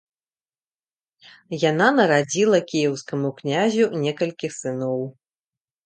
Яна нарадзіла кіеўскаму князю некалькі сыноў.